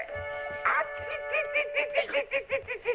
アチチチ！